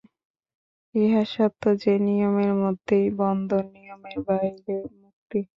ইহা সত্য যে, নিয়মের মধ্যেই বন্ধন, নিয়মের বাহিরে মুক্তি।